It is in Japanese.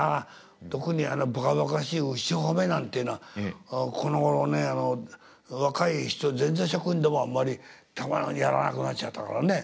特にあのばかばかしい「牛ほめ」なんていうのはこのごろね若い人全然あんまりやらなくなっちゃったからね。